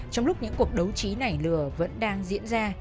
trong lúc những cuộc đấu trí nảy lửa vẫn đang diễn ra